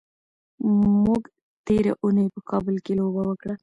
موږ تېره اونۍ په کابل کې لوبه وکړه.